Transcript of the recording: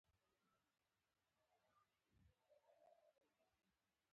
د صنعتي کېدو د څارنې مسوولیت هم پر غاړه واخیست.